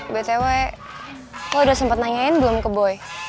btw lo udah sempet nanyain belum ke boy